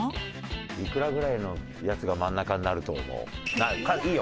いくらぐらいのやつが真ん中になると思う？いいよ。